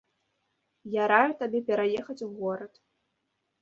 Я раю табе пераехаць у горад.